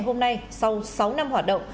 hôm nay sau sáu năm hoạt động